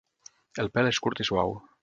El pèl és curt i suau.